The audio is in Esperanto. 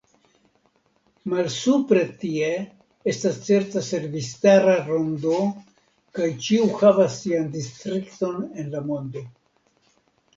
Malsupre tie estas certa servistara rondo, kaj ĉiu havas sian distrikton en la mondo.